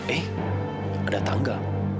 eh ada tangga